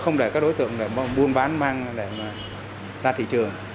không để các đối tượng buôn bán mang để ra thị trường